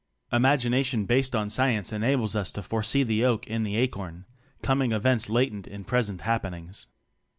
Imagination based on science en ables us to foresee the oak in the acorn coming events latent in pres ent happenings.